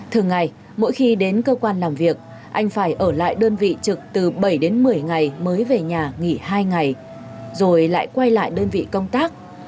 thường ngày mỗi khi đến cơ quan làm việc anh phải ở lại đơn vị trực từ bảy đến một mươi ngày mới về nhà nghỉ hai ngày rồi lại quay lại đơn vị công tác